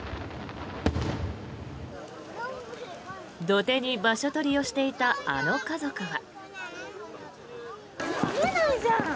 土手に場所取りをしていたあの家族は。